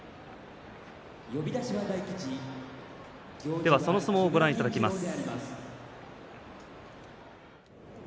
ではその相撲をご覧いただきます。